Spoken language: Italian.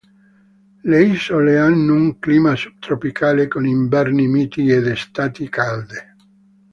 Le isole hanno un clima subtropicale con inverni miti ed estati calde.